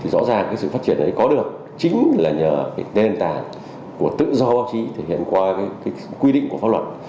rõ ràng sự phát triển này có được chính là nhờ nền đền tảng của tự do báo chí thể hiện qua quy định của pháp luật